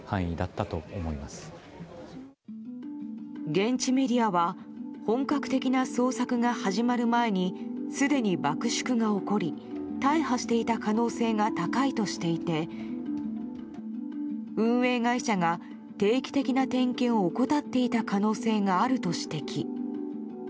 現地メディアは本格的な捜索が始まる前にすでに爆縮が起こり大破していた可能性が高いとしていて運営会社が定期的な点検を怠っていた可能性があると指摘。